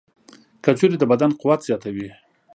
کجورې د بدن قوت زیاتوي.